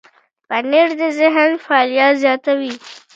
پنېر د ذهن فعالیت زیاتوي.